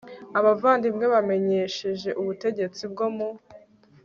abavandimwe bamenyesheje ubutegetsi bwo mu